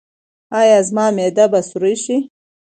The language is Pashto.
ایا زما معده به سورۍ شي؟